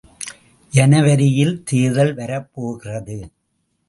ஜனவரியில் தேர்தல் வரப்போகிறது.